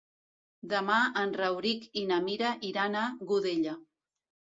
Demà en Rauric i na Mira iran a Godella.